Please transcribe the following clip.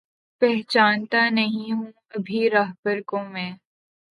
پہچانتا نہیں ہوں ابھی راہبر کو میں